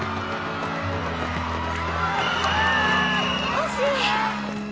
惜しい！